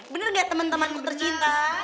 bener gak temen temenku tercinta